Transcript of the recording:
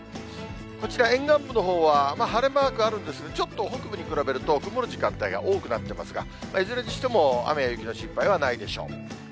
こちら、沿岸部のほうは晴れマークあるんですが、ちょっと北部に比べると曇る時間帯が多くなってますが、いずれにしても雨や雪の心配はないでしょう。